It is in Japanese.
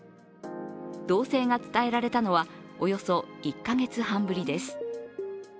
動静が伝えられたのはおよそ１か月半ぶりです。